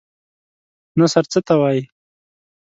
نثر څه ته وايي؟